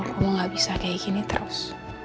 aku gak bisa kayak gini terus